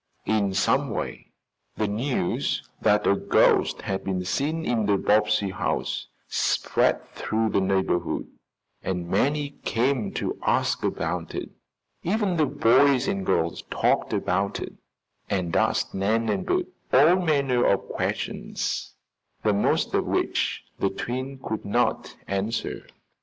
In some way the news that a ghost had been seen in the Bobbsey house spread throughout the neighborhood, and many came to ask about it. Even the boys and girls talked about it and asked Nan and Bert all manner of questions, the most of which the twins could not answer.